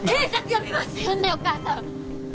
呼んでお母さん！